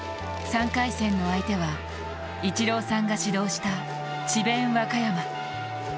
３回戦の相手はイチローさんが指導した智弁和歌山。